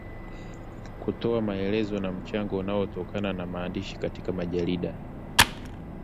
kutoa maelezo na mchango unaotokana na maandishi katika majarida